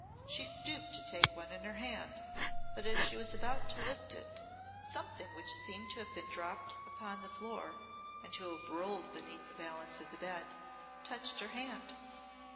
She stooped to take one in her hand, but as she was about to lift it something which seemed to have been dropped upon the floor, and to have rolled beneath the valance of the bed, touched her hand.